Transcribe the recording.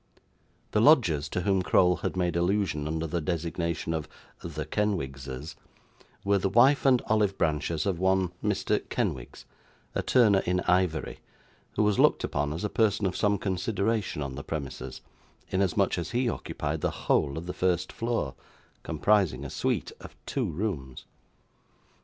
The lodgers to whom Crowl had made allusion under the designation of 'the Kenwigses,' were the wife and olive branches of one Mr. Kenwigs, a turner in ivory, who was looked upon as a person of some consideration on the premises, inasmuch as he occupied the whole of the first floor, comprising a suite of two rooms.